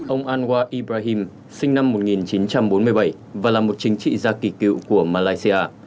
ông anwa ibrahim sinh năm một nghìn chín trăm bốn mươi bảy và là một chính trị gia kỳ cựu của malaysia